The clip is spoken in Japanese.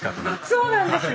そうなんですね。